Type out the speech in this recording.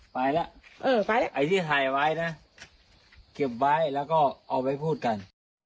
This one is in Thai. ไปแล้วเออไปแล้วไอ้ที่ถ่ายไว้นะเก็บไว้แล้วก็เอาไว้พูดกัน